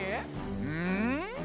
うん？